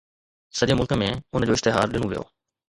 سڄي ملڪ ۾ ان جو اشتهار ڏنو ويو.